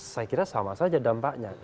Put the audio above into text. saya kira sama saja dampaknya